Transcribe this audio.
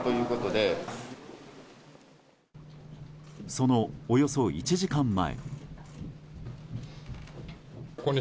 そのおよそ１時間前。